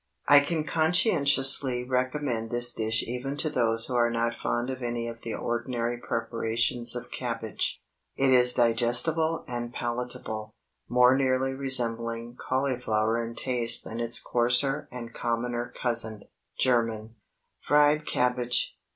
I can conscientiously recommend this dish even to those who are not fond of any of the ordinary preparations of cabbage. It is digestible and palatable, more nearly resembling cauliflower in taste than its coarser and commoner cousin—German. FRIED CABBAGE.